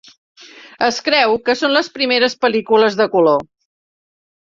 Es creu que són les primeres pel·lícules de color.